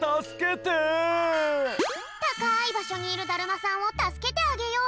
たかいばしょにいるだるまさんをたすけてあげよう。